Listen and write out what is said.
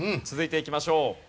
続いていきましょう。